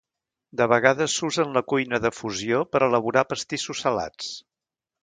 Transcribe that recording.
De vegades s'usa en la cuina de fusió per elaborar pastissos salats.